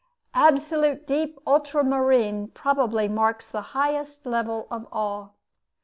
Absolute deep ultramarine probably marks the highest level of all.